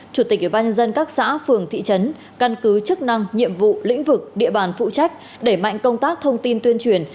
chủ tịch ubnd các xã phường thị trấn căn cứ chức năng nhiệm vụ lĩnh vực địa bàn phụ trách để mạnh công tác thông tin tuyên truyền